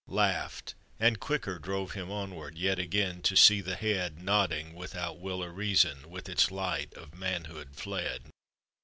Laugh'd ! and quicker drove him onward, Yet again to see the head Nodding, without will or reason, With its light of manhood fled.